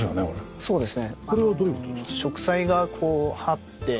そうですね。